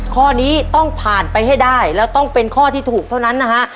ข้อนี้ต้องผ่านไปให้ได้แล้วต้องเป็นข้อที่ถูกเท่านั้นนะฮะ